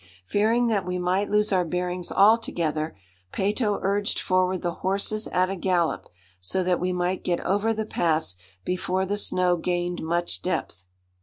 Fearing that we might lose our bearings altogether, Peyto urged forward the horses at a gallop, so that we might get over the pass before the snow gained much depth.